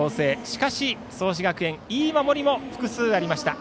しかし、創志学園いい守りも複数ありました。